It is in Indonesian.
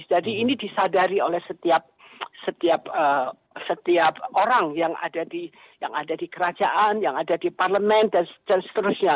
jadi ini disadari oleh setiap orang yang ada di kerajaan yang ada di parlement dan seterusnya